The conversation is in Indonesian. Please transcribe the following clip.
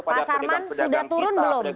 pak sarman sudah turun belum